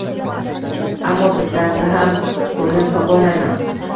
Ammo bittasida ham qo`nim topolmayman